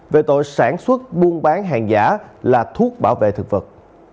về tội sản xuất buôn bán hàng giả là thuốc bảo vệ thực vật